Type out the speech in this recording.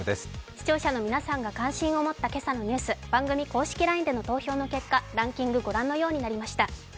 視聴者の皆さんが関心を持った今朝のニュース、投票の結果、ランキング御覧のようになりました。